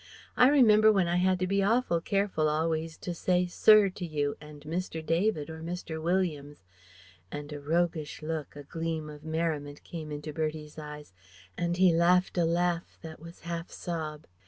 I remember when I had to be awful careful always to say 'Sir' to you, and 'Mr. David' or 'Mr. Williams'" and a roguish look, a gleam of merriment came into Bertie's eyes, and he laughed a laugh that was half sob.